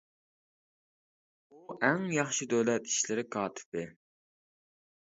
ئۇ ئەڭ ياخشى دۆلەت ئىشلىرى كاتىپى.